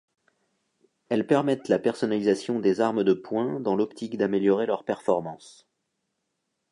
Elles permettent la personnalisation des armes de poing dans l'optique d'améliorer leurs performances.